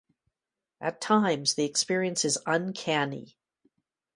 At times the experience is uncanny.